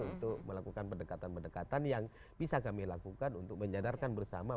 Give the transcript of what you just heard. untuk melakukan pendekatan pendekatan yang bisa kami lakukan untuk menyadarkan bersama